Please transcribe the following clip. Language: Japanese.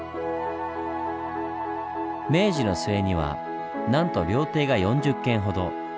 明治の末にはなんと料亭が４０軒ほど。